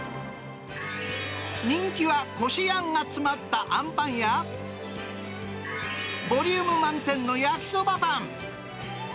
人気はこしあんが詰まったあんパンや、ボリューム満点の焼そばパン。